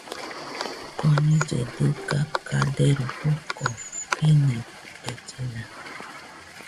Konillɨe dɨga kaderu joko, kenirellena.